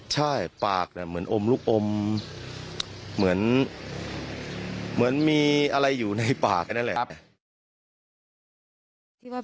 ใช่ปากเหมือนอมลูกอมเหมือนมีอะไรอยู่ในปากกันนั่นแหละ